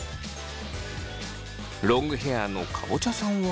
ロングヘアのかぼちゃさんは。